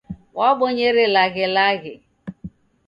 Wabonyere laghelaghe.